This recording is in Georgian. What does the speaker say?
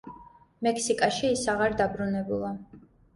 მექსიკაში ის აღარ დაბრუნებულა.